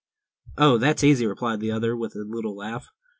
"Oh that's easy," replied the other, with a little laugh.